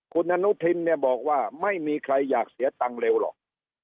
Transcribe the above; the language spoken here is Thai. คุณอนุทินเนี่ยบอกว่าไม่มีใครอยากเสียตังค์เร็วหรอก